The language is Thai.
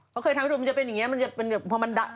เค้าเคยทำให้ดูมันจะเป็นอย่างนี้